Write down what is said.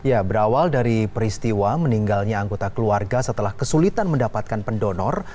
ya berawal dari peristiwa meninggalnya anggota keluarga setelah kesulitan mendapatkan pendonor